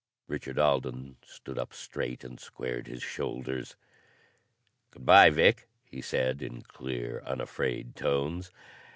Richard Alden stood up straight and squared his shoulders. "Good by, Vic," he said, in clear, unafraid tones.